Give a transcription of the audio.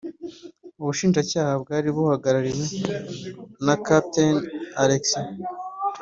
Ubushinjacyaha bwari buhagarariwe na Capt alexis